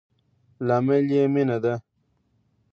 لامل يي مينه ده